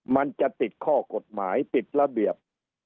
มันจะติดข้อกฎหมายติดระเบียบ